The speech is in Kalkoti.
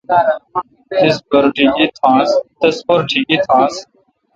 تس پر ٹھگئ تھانس۔